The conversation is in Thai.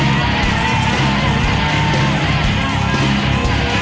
หมวกปีกดีกว่าหมวกปีกดีกว่า